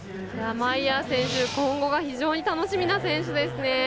マイヤー選手、今後が非常に楽しみな選手ですね。